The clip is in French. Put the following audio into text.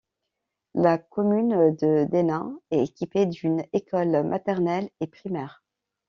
La commune de Dénat est équipée d'une école maternelle et primaire.